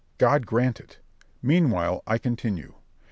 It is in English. God grant it! meanwhile I continue.